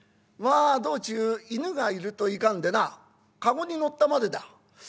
まあ道中犬がいるといかんでな駕籠に乗ったまでだ。